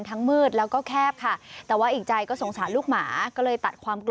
มืดแล้วก็แคบค่ะแต่ว่าอีกใจก็สงสารลูกหมาก็เลยตัดความกลัว